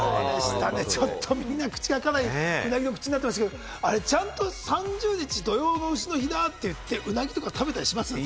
みんな、かなり鰻の口になってましたけれども、あれ、ちゃんと３０日、土用の丑の日だって言って鰻食べたりします？